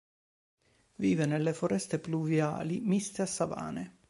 Vive nelle foreste pluviali miste a savane.